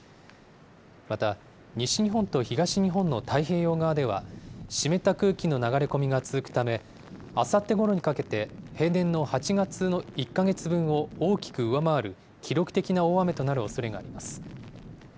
また、西日本と東日本の太平洋側では、湿った空気の流れ込みが続くため、あさってごろにかけて平年の８月の１か月分を大きく上回る、記録的な大雨となるおそれがあります。